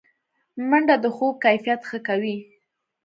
منډه د خوب کیفیت ښه کوي